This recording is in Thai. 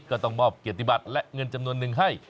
ก็ต้องมอบเกียรติบัตรและเงินจำนวนนึงให้